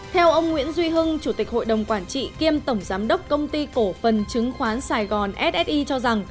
theo ông nguyễn duy hưng chủ tịch hội đồng quản trị kiêm tổng giám đốc công ty cổ phần chứng khoán sài gòn ssi cho rằng